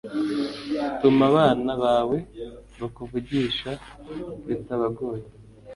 TUMA ABANA BAWE BAKUVUGISHA BITABAGOYE